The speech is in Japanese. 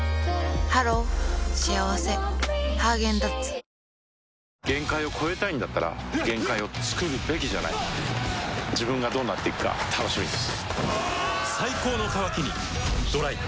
私とママはスゴく似てたり全然違ったり限界を越えたいんだったら限界をつくるべきじゃない自分がどうなっていくか楽しみです